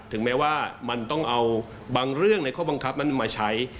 ถึงแม้ว่ามันต้องเอาบางเรื่องในข้อบังคับนั้นมาใช้